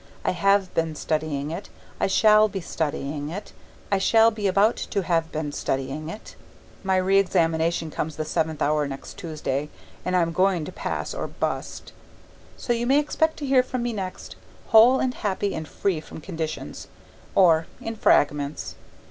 I have been studying it. I shall be studying it. I shall be about to have been studying it. My re examination comes the 7th hour next Tuesday, and I am going to pass or BUST. So you may expect to hear from me next, whole and happy and free from conditions, or in fragments.